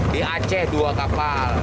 di aceh dua kapal